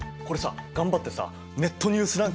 これさ頑張ってさネットニュース